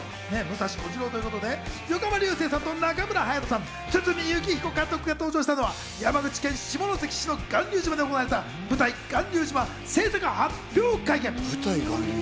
武蔵、小次郎ということで、横浜流星さんと中村隼人さん、堤幸彦監督が登場したのは山口県下関市の巌流島で行われた舞台『巌流島』制作発表会見。